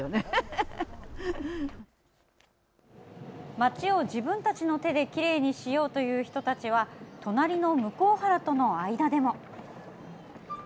街を自分たちの手できれいにしようという人たちは隣の向原との間でも。